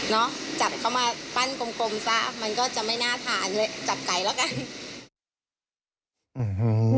จับเข้ามาปั้นกลมซะมันก็จะไม่น่าทานเลยจับไก่แล้วกัน